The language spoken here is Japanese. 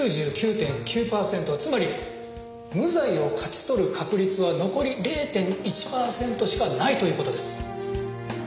つまり無罪を勝ち取る確率は残り０．１パーセントしかないという事です。